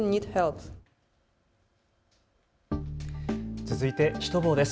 続いてシュトボーです。